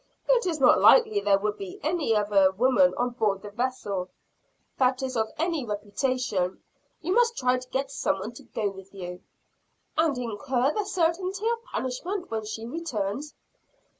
"It is not likely there would be any other woman on board the vessel that is of any reputation. You must try to get some one to go with you." "And incur the certainty of punishment when she returns?"